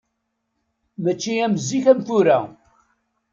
Mačči am zik am tura.